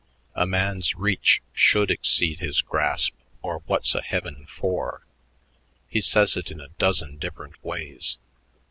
'A man's reach should exceed his grasp or what's a heaven for?' He says it in a dozen different ways.